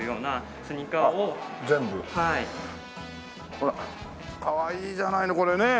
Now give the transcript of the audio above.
ほらかわいいじゃないのこれね。